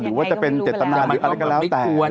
หรือว่าจะเป็นเจตนาหรืออะไรก็แล้วแต่